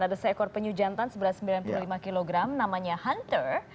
ada seekor penyu jantan seribu satu ratus sembilan puluh lima kg namanya hunter